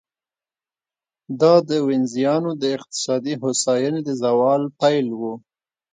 دا د وینزیانو د اقتصادي هوساینې د زوال پیل و